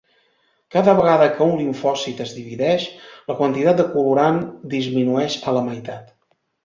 Cada vegada que un limfòcit es divideix la quantitat de colorant disminueix a la meitat.